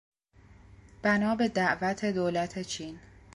بنا به دعوت دولت چین